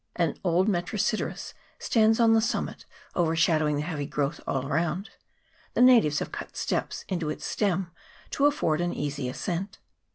An old Metrosideros stands on the summit, overshadowing the heavy growth all around : the natives have cut steps into its stem to afford an easy ascent.